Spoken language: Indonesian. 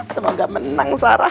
semoga menang sarah